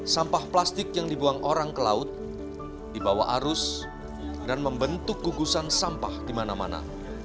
sampah plastik yang dibuang orang ke laut dibawa arus dan membentuk gugusan sampah di mana mana